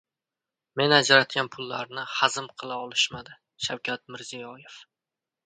"Men ajratgan pullarni "hazm" qila olishmadi" — Shavkat Mirziyoev